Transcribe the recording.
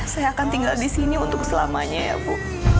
saya akan tinggal di sini untuk selamanya ya bu